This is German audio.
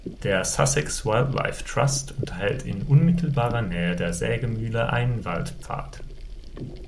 Der "Sussex Wildlife Trust" unterhält in unmittelbarer Nähe der Sägemühle einen Waldpfad.